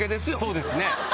そうですね